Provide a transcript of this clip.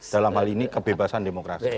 dalam hal ini kebebasan demokrasi